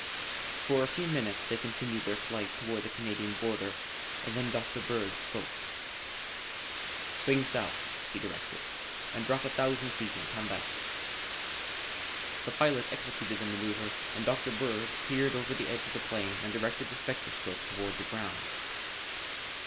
For a few minutes they continued their flight toward the Canadian Border and then Dr. Bird spoke. "Swing south," he directed, "and drop a thousand feet and come back." The pilot executed the maneuver and Dr. Bird peered over the edge of the plane and directed the spectroscope toward the ground.